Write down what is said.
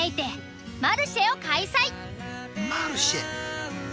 マルシェ。